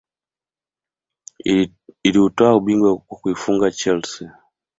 Iliutwaa ubingwa kwa kuifunga chelsea